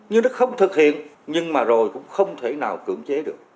nhưng nó không thực hiện nhưng mà rồi cũng không thể nào cưỡng chế được